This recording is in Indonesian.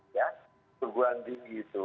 ya perguruan tinggi itu